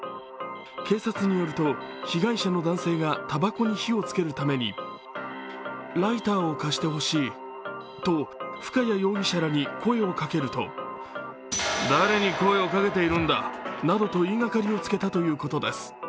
警察によると、東の男性がたばこに火をつけるためにライターを貸してほしいと深谷容疑者らに声をかけると誰に声をかけているんだなどと言いがかりをつけたということです。